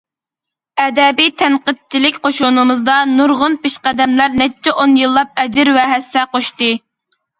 ئەدەبىي تەنقىدچىلىك قوشۇنىمىزدا نۇرغۇن پېشقەدەملەر نەچچە ئون يىللاپ ئەجىر ۋە ھەسسە قوشتى.